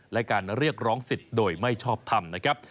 และการเรียกร้องสิทธิ์โดยไม่ชอบทำนะครับ